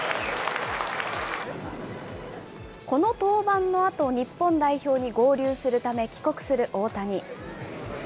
この登板のあと、日本代表に合流するため帰国する大谷。